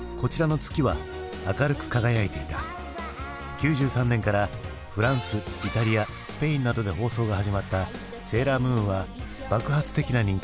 ９３年からフランスイタリアスペインなどで放送が始まった「セーラームーン」は爆発的な人気に。